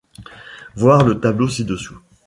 Voir le tableau ci-dessous.